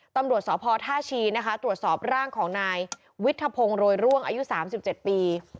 ตำรวจสพท่าชีนะคะตรวจสอบร่างของนายวิทธพงศ์โรยร่วงอายุ๓๗ปี